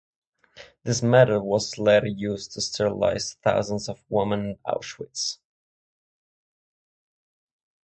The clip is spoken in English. This method was later used to sterilize thousands of women in Auschwitz.